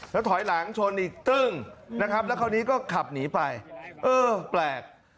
แล้วถอยหลังชนอีกตึ้งนะครับแล้วคราวนี้ก็ขับหนีไปเออแปลก